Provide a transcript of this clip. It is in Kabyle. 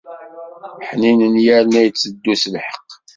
Ḥninen yerna itteddu s lḥeqq.